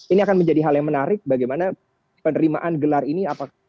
ini akan menjadi hal yang menarik bagaimana penerimaan gelar ini